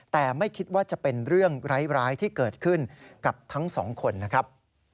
แต่ไม่คิดว่าจะเป็นเรื่องร้ายที่เกิดขึ้นกับทั้งสองคนนะครับ